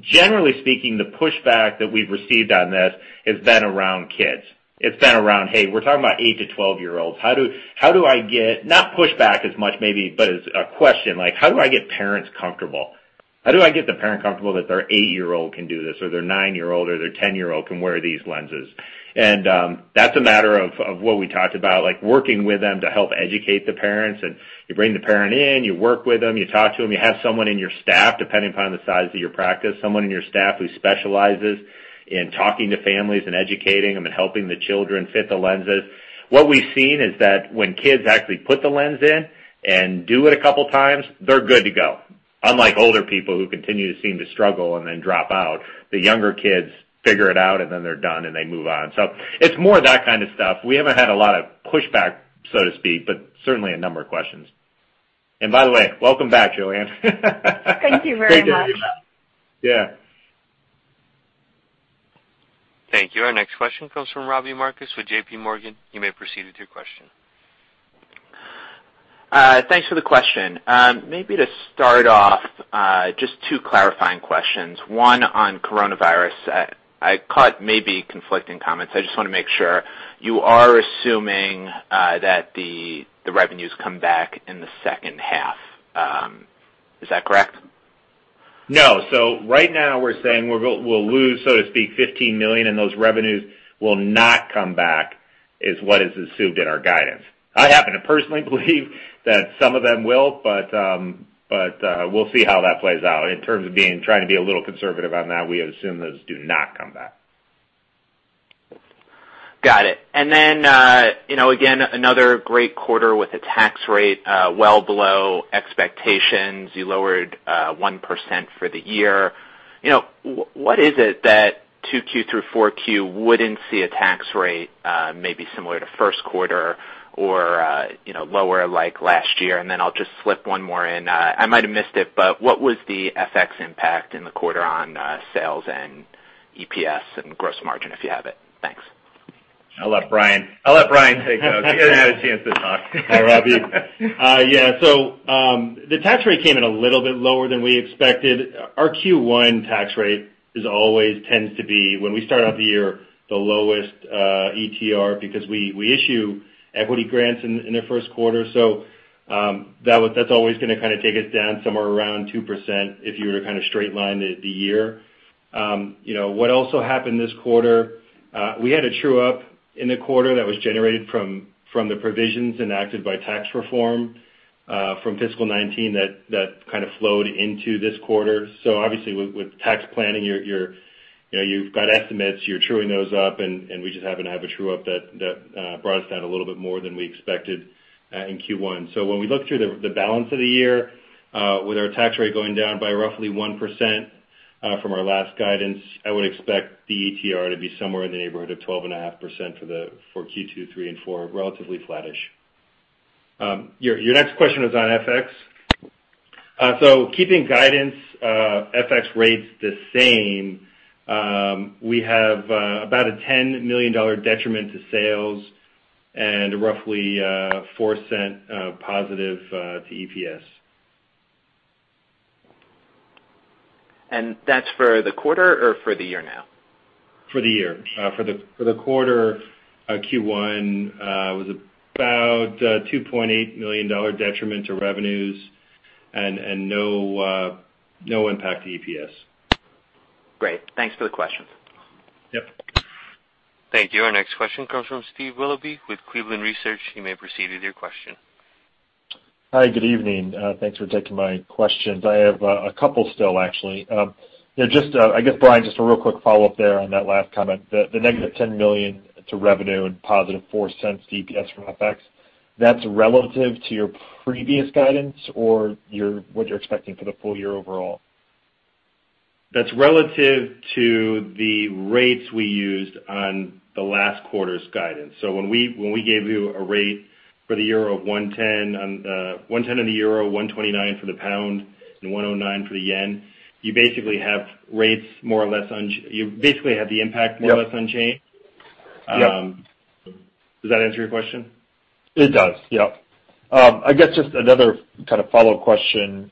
Generally speaking, the pushback that we've received on this has been around kids. It's been around, hey, we're talking about eight to 12-year-olds. How do I get not pushback as much maybe, but as a question, how do I get parents comfortable? How do I get the parent comfortable that their eight-year-old can do this, or their nine-year-old or their 10-year-old can wear these lenses? That's a matter of what we talked about, working with them to help educate the parents. You bring the parent in, you work with them, you talk to them, you have someone in your staff, depending upon the size of your practice, someone in your staff who specializes in talking to families and educating them and helping the children fit the lenses. What we've seen is that when kids actually put the lens in and do it a couple of times, they're good to go. Unlike older people who continue to seem to struggle and then drop out, the younger kids figure it out, and then they're done, and they move on. It's more that kind of stuff. We haven't had a lot of pushback, so to speak, but certainly a number of questions. By the way, welcome back, Joanne. Thank you very much. Yeah. Thank you. Our next question comes from Robbie Marcus with JPMorgan. You may proceed with your question. Thanks for the question. Maybe to start off, just two clarifying questions. One on coronavirus. I caught maybe conflicting comments. I just want to make sure you are assuming that the revenues come back in the second half. Is that correct? No. Right now we're saying we'll lose, so to speak, $15 million and those revenues will not come back, is what is assumed in our guidance. I happen to personally believe that some of them will, but we'll see how that plays out. In terms of trying to be a little conservative on that, we assume those do not come back. Got it. Again, another great quarter with a tax rate well below expectations. You lowered 1% for the year. What is it that 2Q through 4Q wouldn't see a tax rate maybe similar to first quarter or lower like last year? I'll just slip one more in. I might have missed it, what was the FX impact in the quarter on sales and EPS and gross margin, if you have it? Thanks. I'll let Brian take those. He hasn't had a chance to talk. Hi, Robbie. The tax rate came in a little bit lower than we expected. Our Q1 tax rate always tends to be, when we start off the year, the lowest ETR because we issue equity grants in the first quarter. That's always going to kind of take us down somewhere around 2% if you were to kind of straight line the year. What also happened this quarter, we had a true-up in the quarter that was generated from the provisions enacted by tax reform from fiscal 2019 that kind of flowed into this quarter. Obviously, with tax planning, you've got estimates, you're truing those up, and we just happen to have a true-up that brought us down a little bit more than we expected in Q1. When we look through the balance of the year with our tax rate going down by roughly 1% from our last guidance, I would expect the ETR to be somewhere in the neighborhood of 12.5% for Q2, three and four, relatively flattish. Your next question was on FX. Keeping guidance FX rates the same, we have about a $10 million detriment to sales and roughly $0.04 positive to EPS. That's for the quarter or for the year now? For the year. For the quarter, Q1 was about $2.8 million detriment to revenues and no impact to EPS. Great. Thanks for the questions. Yep. Thank you. Our next question comes from Steve Willoughby with Cleveland Research. You may proceed with your question. Hi. Good evening. Thanks for taking my questions. I have a couple still, actually. I guess, Brian, just a real quick follow-up there on that last comment. The negative $10 million to revenue and positive $0.04 to EPS from FX, that's relative to your previous guidance or what you're expecting for the full year overall? That's relative to the rates we used on the last quarter's guidance. When we gave you a rate for the euro of 110 on the, 110 on the euro, 129 for the pound, and 109 for the yen, you basically have the impact more or less unchanged. Yep. Does that answer your question? It does. Yep. I guess just another kind of follow-up question.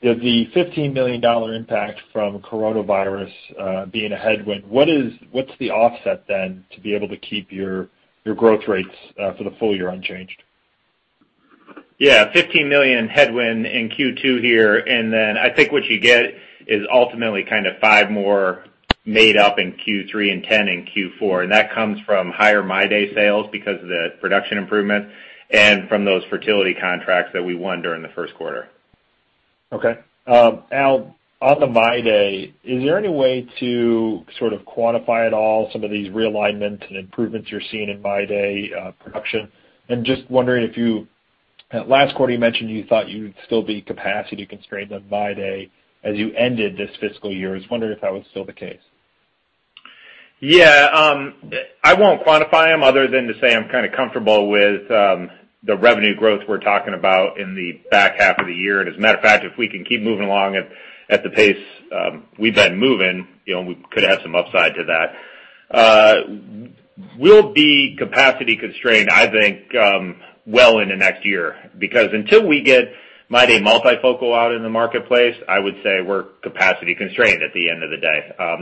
The $15 million impact from coronavirus being a headwind, what's the offset then to be able to keep your growth rates for the full year unchanged? Yeah. $15 million headwind in Q2 here, and then I think what you get is ultimately kind of five more made up in Q3 and 10 in Q4, and that comes from higher MyDay sales because of the production improvements and from those fertility contracts that we won during the first quarter. Okay, Albert, on the MyDay, is there any way to sort of quantify at all some of these realignments and improvements you're seeing in MyDay production? At last quarter, you mentioned you thought you would still be capacity constrained on MyDay as you ended this fiscal year. I was wondering if that was still the case. Yeah. I won't quantify them other than to say I'm kind of comfortable with the revenue growth we're talking about in the back half of the year. As a matter of fact, if we can keep moving along at the pace we've been moving, we could have some upside to that. We'll be capacity constrained, I think, well into next year, because until we get MyDay multifocal out in the marketplace, I would say we're capacity constrained at the end of the day. I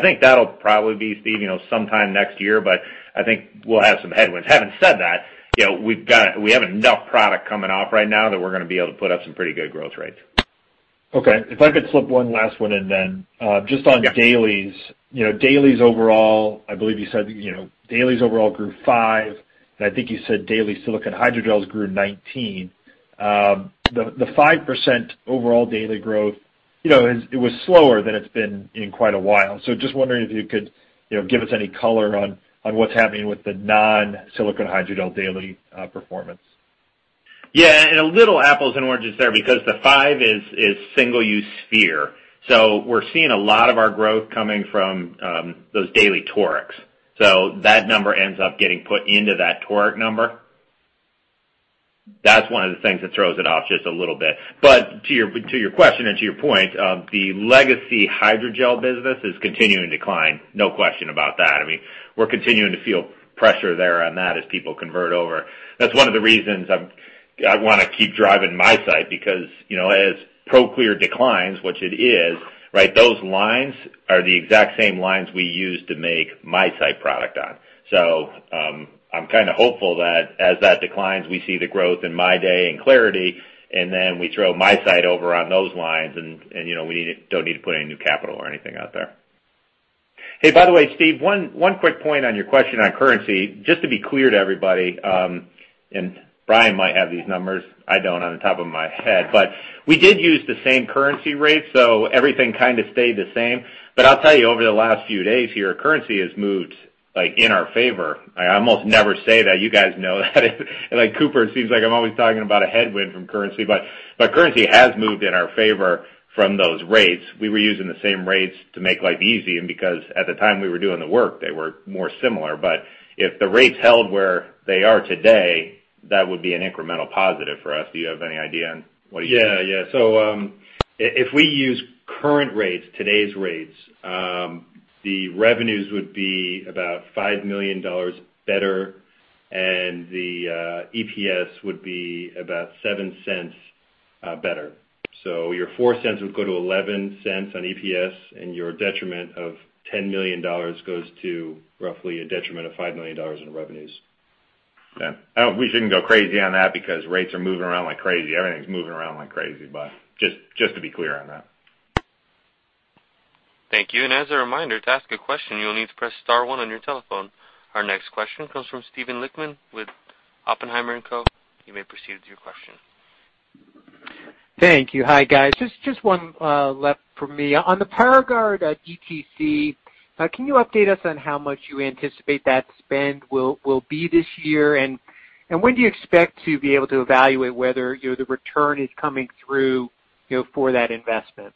think that'll probably be, Steve, sometime next year, but I think we'll have some headwinds. Having said that, we have enough product coming off right now that we're going to be able to put up some pretty good growth rates. Okay. If I could slip one last one in then. Just on dailies. Dailies overall, I believe you said dailies overall grew five, and I think you said daily silicone hydrogels grew 19. The 5% overall daily growth, it was slower than it's been in quite a while. Just wondering if you could give us any color on what's happening with the non-silicone hydrogel daily performance. Yeah, a little apples and oranges there because the five is single-use sphere. We're seeing a lot of our growth coming from those daily torics. That number ends up getting put into that toric number. That's one of the things that throws it off just a little bit. To your question and to your point, the legacy hydrogel business is continuing to decline. No question about that. I mean, we're continuing to feel pressure there on that as people convert over. That's one of the reasons I want to keep driving MiSight because as Proclear declines, which it is, right, those lines are the exact same lines we use to make MiSight product on. I'm kind of hopeful that as that declines, we see the growth in MyDay and clariti. We throw MiSight over on those lines, we don't need to put any new capital or anything out there. Hey, by the way, Steve, one quick point on your question on currency. Just to be clear to everybody, Brian might have these numbers, I don't on the top of my head, but we did use the same currency rate, everything kind of stayed the same. I'll tell you, over the last few days here, currency has moved in our favor. I almost never say that. You guys know that at Cooper, it seems like I'm always talking about a headwind from currency has moved in our favor from those rates. We were using the same rates to make life easy, and because at the time we were doing the work, they were more similar. If the rates held where they are today, that would be an incremental positive for us. Do you have any idea on. Yeah. If we use current rates, today's rates, the revenues would be about $5 million better, and the EPS would be about $0.07 better. Your $0.04 would go to $0.11 on EPS, and your detriment of $10 million goes to roughly a detriment of $5 million in revenues. Yeah. We shouldn't go crazy on that because rates are moving around like crazy. Everything's moving around like crazy. Just to be clear on that. Thank you. As a reminder, to ask a question, you will need to press star one on your telephone. Our next question comes from Steven Lichtman with Oppenheimer and Co. You may proceed with your question. Thank you. Hi, guys. Just one left for me. On the PARAGARD DTC, can you update us on how much you anticipate that spend will be this year? When do you expect to be able to evaluate whether the return is coming through for that investment?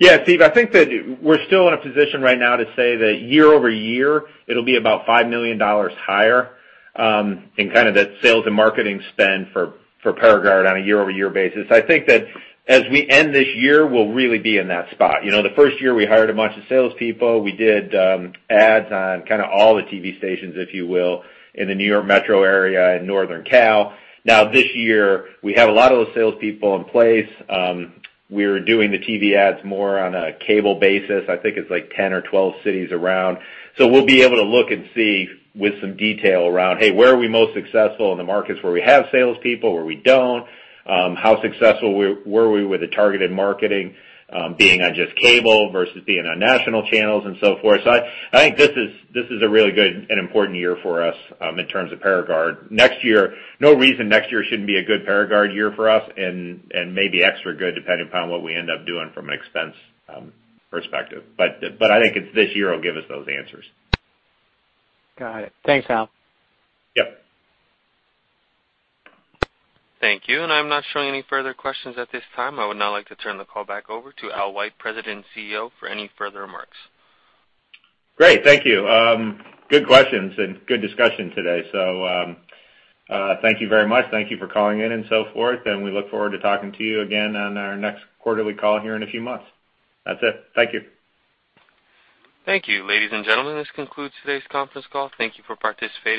Steven, I think that we're still in a position right now to say that year-over-year, it'll be about $5 million higher, in kind of the sales and marketing spend for PARAGARD on a year-over-year basis. I think that as we end this year, we'll really be in that spot. The first year we hired a bunch of salespeople. We did ads on kind of all the TV stations, if you will, in the New York Metro area and Northern Cal. This year, we have a lot of those salespeople in place. We're doing the TV ads more on a cable basis. I think it's like 10 or 12 cities around. We'll be able to look and see with some detail around, hey, where are we most successful in the markets where we have salespeople, where we don't. How successful were we with the targeted marketing, being on just cable versus being on national channels and so forth? I think this is a really good and important year for us, in terms of PARAGARD. Next year, no reason next year shouldn't be a good PARAGARD year for us and maybe extra good depending upon what we end up doing from an expense perspective. I think it's this year will give us those answers. Got it. Thanks, Albert. Yep. Thank you. I'm not showing any further questions at this time. I would now like to turn the call back over to Al White, President and CEO, for any further remarks. Great. Thank you. Good questions and good discussion today. Thank you very much. Thank you for calling in and so forth, we look forward to talking to you again on our next quarterly call here in a few months. That's it. Thank you. Thank you. Ladies and gentlemen, this concludes today's conference call. Thank you for participating.